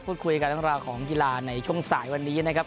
พูดคุยกันเรื่องราวของกีฬาในช่วงสายวันนี้นะครับ